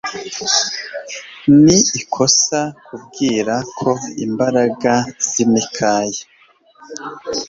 Ni ikosa kwibwira ko imbaraga zimikaya